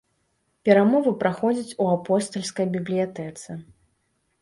Перамовы праходзяць у апостальскай бібліятэцы.